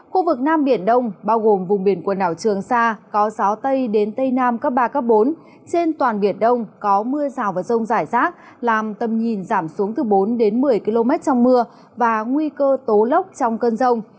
khu vực nam biển đông bao gồm vùng biển quần đảo trường sa có gió tây đến tây nam cấp ba bốn trên toàn biển đông có mưa rào và rông rải rác làm tầm nhìn giảm xuống từ bốn đến một mươi km trong mưa và nguy cơ tố lốc trong cơn rông